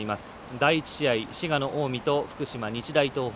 第１試合、滋賀の近江と福島、日大東北。